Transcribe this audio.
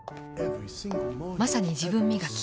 まさに自分磨き。